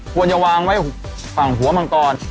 ควรจะวางไว้ฝั่งหัวมังกร